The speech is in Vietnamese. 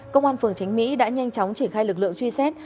công an phường tránh mỹ đã nhanh chóng triển khai lực lượng truy xét